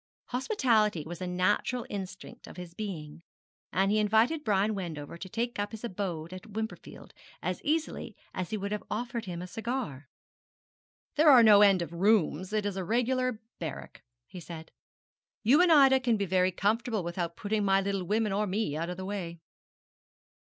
Hospitality was a natural instinct of his being, and he invited Brian Wendover to take up his abode at Wimperfield as easily as he would have offered him a cigar. 'There are no end of rooms. It is a regular barrack,' he said. 'You and Ida can be very comfortable without putting my little woman or me out of the way.'